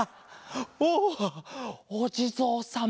おおおじぞうさま！